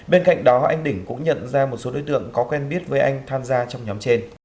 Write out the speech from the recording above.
bên cạnh đó anh đỉnh cũng nhận ra một số đối tượng có quen biết với anh tham gia trong nhóm trên